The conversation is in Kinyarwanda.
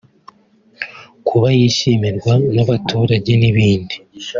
kuba yishimirwa n’abaturage n’ibindi